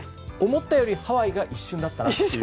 思ったよりハワイが一瞬だったなと。